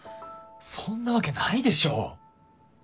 そんなわけないでしょ。